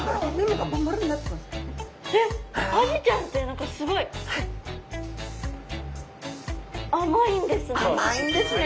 えっアジちゃんって何かすごい甘いんですね。